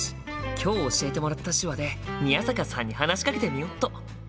今日教えてもらった手話で宮坂さんに話しかけてみよっと！